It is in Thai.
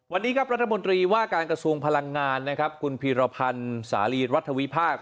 วันนี้ครับรัฐมนตรีว่าการกระทรวงพลังงานนะครับคุณพีรพันธ์สาลีรัฐวิพากษ์